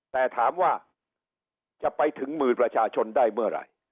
แต่ถามว่าจะไปถึงมือประชาชนได้เมื่อไหร่